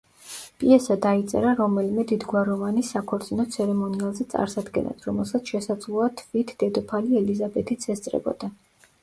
პიესა დაიწერა რომელიმე დიდგვაროვანის საქორწინო ცერემონიალზე წარსადგენად, რომელსაც შესაძლოა თვით დედოფალი ელიზაბეთიც ესწრებოდა.